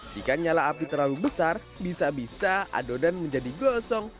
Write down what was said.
jika nyala api terlalu besar bisa bisa adonan menjadi gosong